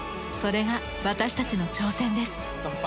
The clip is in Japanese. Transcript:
それが私たちの挑戦です。